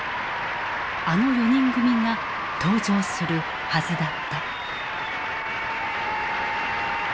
あの４人組が登場するはずだった。